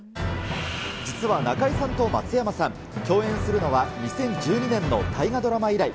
実は中井さんと松山さん、共演するのは２０１２年の大河ドラマ以来。